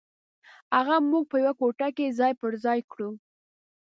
هغه موږ په یوه کوټه کې ځای پر ځای کړو.